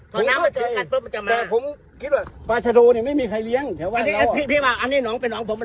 คิดว่าปลาชโดเนี่ยไม่มีใครเลี้ยงแถววันแล้วอันนี้น้องเป็นน้องผมเป็นน้องเป็นไง